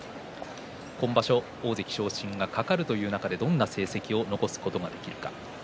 今場所、大関以下は大関昇進がかかる中でどんな成績を残すことができるか。